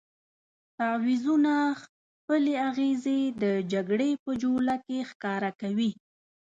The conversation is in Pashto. تعویضونه خپلې اغېزې د جګړې په جوله کې ښکاره کوي.